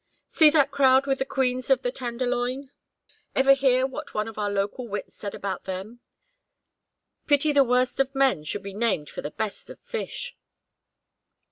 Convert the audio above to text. See that crowd with the queens of the Tenderloin? Ever hear what one of our local wits said about them: 'Pity the worst of men should be named for the best of fish!'"